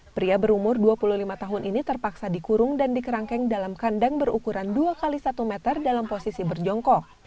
pria berumur dua puluh lima tahun ini terpaksa dikurung dan dikerangkeng dalam kandang berukuran dua x satu meter dalam posisi berjongkok